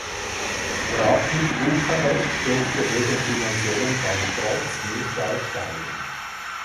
Rapid Bukarest durfte wegen finanziellen Bankrotts nicht aufsteigen.